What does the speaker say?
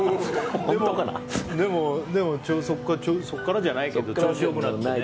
でも、そこからじゃないけど調子良くなったよね。